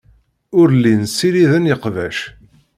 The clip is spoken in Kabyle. Ur llin ssiriden iqbac.